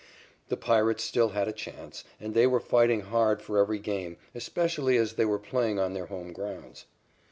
The Pirates still had a chance, and they were fighting hard for every game, especially as they were playing on their home grounds.